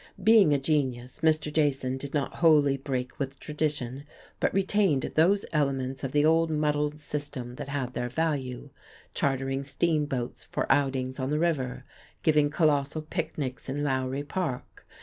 Being a genius, Mr. Jason did not wholly break with tradition, but retained those elements of the old muddled system that had their value, chartering steamboats for outings on the river, giving colossal picnics in Lowry Park.